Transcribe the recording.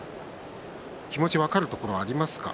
気持ち分かるところがありますか？